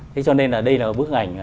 thế cho nên là đây là bức ảnh